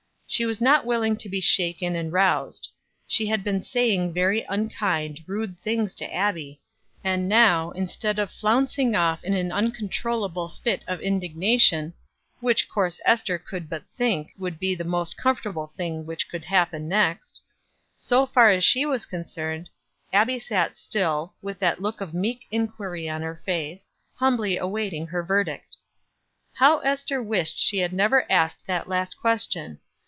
She was not willing to be shaken and roused; she had been saying very unkind, rude things to Abbie, and now, instead of flouncing off in an uncontrollable fit of indignation, which course Ester could but think would be the most comfortable thing which could happen next, so far as she was concerned, Abbie sat still, with that look of meek inquiry on her face, humbly awaiting her verdict. How Ester wished she had never asked that last question!